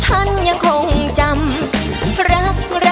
แชมป์สายนี้มันก็น่าจะไม่ไกลมือเราสักเท่าไหร่ค่ะ